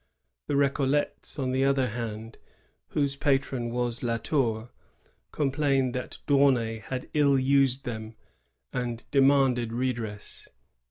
The R^coUets, on the other hand, whose patron was La Tour, complained that D'Aunay had ill used them, and demanded redress.